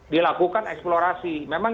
dilakukan eksplorasi memang